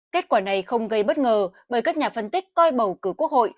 kết quả này không gây bất ngờ bởi các nhà phân tích coi bầu cử quốc hội